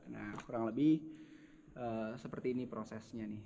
nah kurang lebih seperti ini prosesnya nih